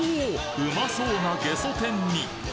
うまそうなゲソ天に！